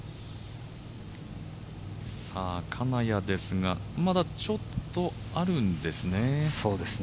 金谷ですが、まだちょっとあるんですね。